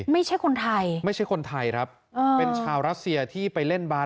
ไม่ใช่คนไทยไม่ใช่คนไทยครับเป็นชาวรัสเซียที่ไปเล่นบาส